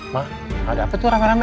mah ada apa tuh rame rame